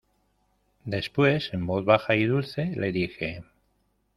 después en voz baja y dulce, le dije: